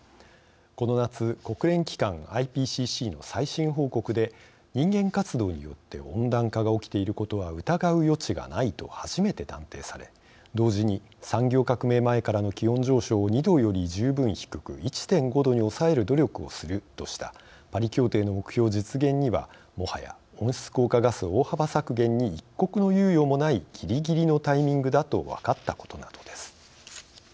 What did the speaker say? この夏、国連機関ＩＰＣＣの最新報告で人間活動によって温暖化が起きていることは疑う余地がないと初めて断定され同時に産業革命前からの気温上昇を２℃より十分低く１．５℃に抑える努力をするとしたパリ協定の目標実現にはもはや温室効果ガス大幅削減に一刻の猶予もないぎりぎりのタイミングだと分かったことなどです。